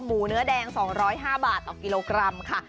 หมูเนื้อแดง๒๐๕บาทต่อกิโลกรัมค่ะ